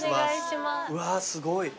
うわすごい。